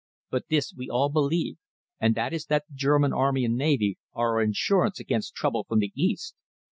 But this we all believe, and that is that the German army and navy are our insurance against trouble from the east.